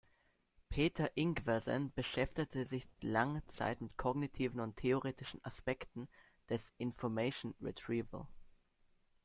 Peter Ingwersen beschäftigte sich lange Zeit mit kognitiven und theoretischen Aspekten des Information Retrieval.